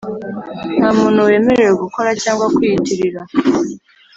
Nta muntu wemerewe gukora cyangwa kwiyitirira